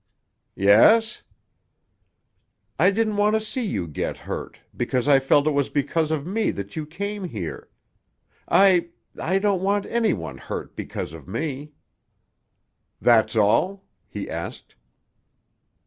"Yes?" "I didn't want to see you get hurt, because I felt it was because of me that you came here. I—I don't want any one hurt because of me." "That's all?" he asked.